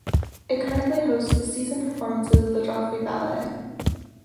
It currently hosts the season performances of the Joffrey Ballet.